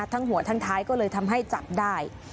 ทั้งหัวทั้งท้ายก็เลยทำให้จับได้